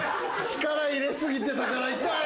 力入れ過ぎてたから痛い。